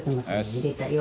入れたよ。